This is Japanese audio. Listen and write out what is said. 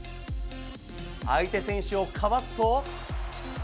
相手選手をかわすと。